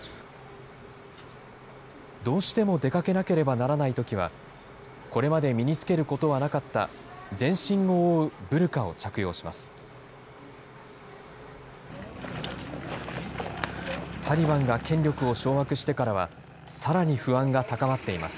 どうしても出かけなければならないときは、これまで身に着けることはなかった全身を覆うブルカを着用します。